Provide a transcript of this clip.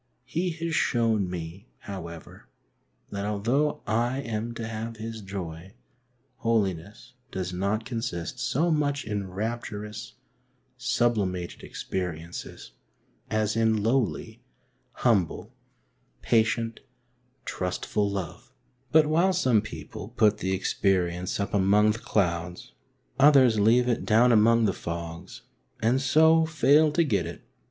He has shown me, however, that although I am to have His joy, holiness does not consist so much in rapturous, sublimated experiences, as in lowly, humble, patient, trustful love. Hindrances to holiness. ^5 But while some people put the experience up among the clouds, others leave it down among the fogs, and so fail to get it.